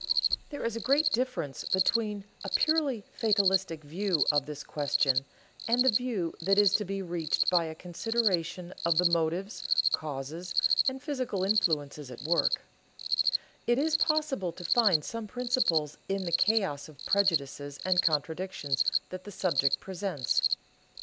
There is a great difference between a purely fatalistic view of this question and the view that is to be reached by a consideration of the motives, causes, and physical influences at work; It is possible to find some principles in the chaos of prejudices and contradictions that the subject presents.